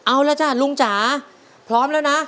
เอาละจ้ะลุงจ๋าพร้อมแล้วนะ